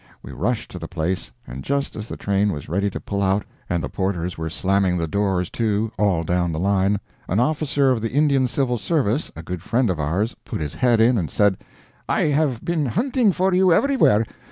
We rushed to the place, and just as the train was ready to pull out and the porters were slamming the doors to, all down the line, an officer of the Indian Civil Service, a good friend of ours, put his head in and said: "I have been hunting for you everywhere.